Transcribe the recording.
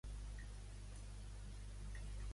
I Eusebi de Cesarea?